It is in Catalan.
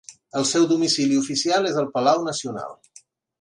El seu domicili oficial és el Palau Nacional.